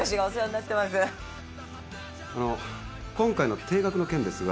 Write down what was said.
あの今回の停学の件ですが。